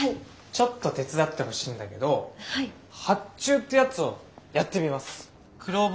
ちょっと手伝ってほしいんだけど発注ってやつをやってみます。